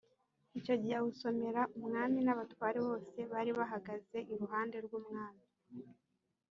icyo gihe awusomera umwami n’abatware bose bari bahagaze iruhande rw’umwami